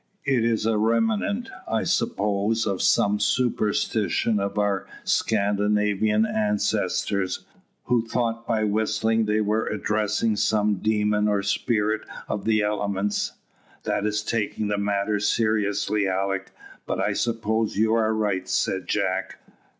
It is a remnant, I suppose, of some superstition of our Scandinavian ancestors, who thought by whistling they were addressing some demon or spirit of the elements." "That is taking the matter seriously, Alick; but I suppose you are right," said Jack.